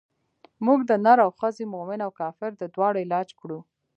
موږ د نر او ښځې مومن او کافر د دواړو علاج کړو.